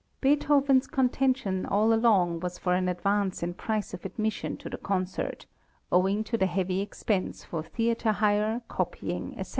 Beethoven's contention all along was for an advance in price of admission to the concert, owing to the heavy expense for theatre hire, copying, etc.